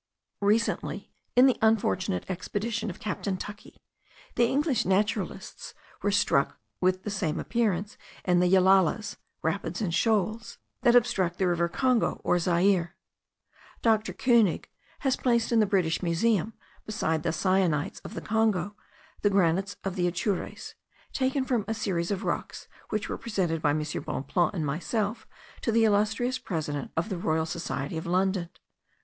Recently, in the unfortunate expedition of Captain Tuckey, the English naturalists were struck with the same appearance in the yellalas (rapids and shoals) that obstruct the river Congo or Zaire. Dr. Koenig has placed in the British Museum, beside the syenites of the Congo, the granites of Atures, taken from a series of rocks which were presented by M. Bonpland and myself to the illustrious president of the Royal Society of London.